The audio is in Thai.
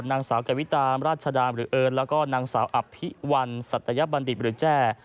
นางสาวกวิตามราชดาหรือเอิญแล้วก็นางสาวอภิวัลสัตยบัณฑิตหรือแจ้